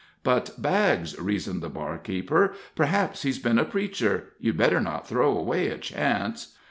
"But, Baggs," reasoned the barkeeper, "perhaps he's been a preacher you'd better not throw away a chance."